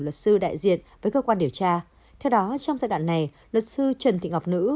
luật sư đại diện với cơ quan điều tra theo đó trong giai đoạn này luật sư trần thị ngọc nữ